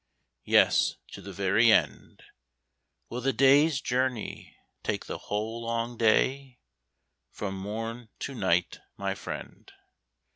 Yes, to the very end. Will the day's journey take the whole long day? From morn to night, my friend.